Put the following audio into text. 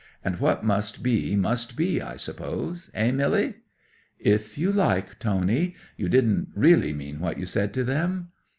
And what must be must be, I suppose. Hey, Milly?" '"If you like, Tony. You didn't really mean what you said to them?"